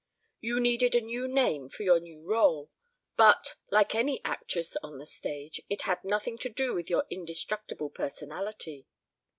You needed a new name for your new rôle, but, like any actress on the stage, it had nothing to do with your indestructible personality.